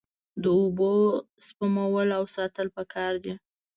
د اوبو سپمول او ساتل پکار دي.